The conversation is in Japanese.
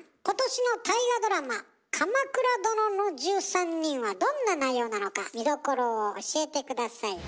今年の大河ドラマ「鎌倉殿の１３人」はどんな内容なのか見どころを教えて下さい。